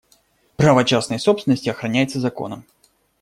Право частной собственности охраняется законом.